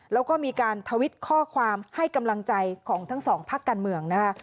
แล้วก็มีการทวิตข้อความให้กำลังใจของทั้งสองพักการเมืองนะคะ